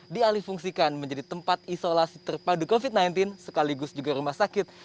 dialih fungsikan menjadi tempat isolasi terpadu covid sembilan belas sekaligus juga rumah sakit